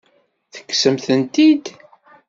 Tekksem-tent-id?